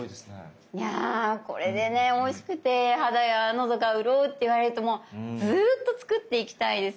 いやこれでねおいしくて肌やのどがうるおうっていわれるともうずっと作っていきたいですよ。